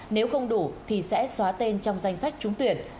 nếu không đủ thì sẽ xóa tên trong danh sách trúng tuyển